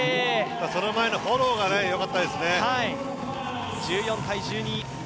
その前のフォローがよかったですね。